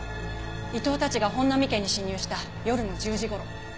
伊藤たちが本並家に侵入した夜の１０時頃。